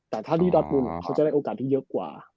แต่ถ้าที่ดอสมุนเขาจะได้โอกาสที่เยอะกว่า